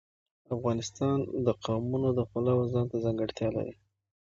افغانستان د قومونه د پلوه ځانته ځانګړتیا لري.